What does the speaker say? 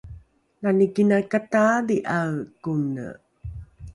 lani kinakataadhi’ae kone